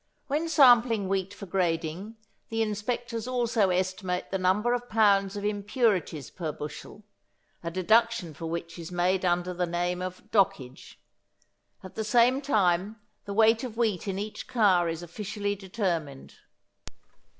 When sampling wheat for grading, the inspectors also estimate the number of pounds of impurities per bushel, a deduction for which is made under the name of dockage. At the same time the weight of wheat in each car is officially determined.